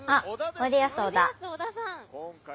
「おいでやす小田さん」。